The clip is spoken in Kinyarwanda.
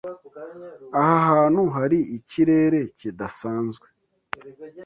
Aha hantu hari ikirere kidasanzwe.